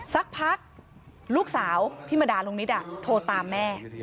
สักพักลูกสาวที่มาด่าลุงนิดโทรตามแม่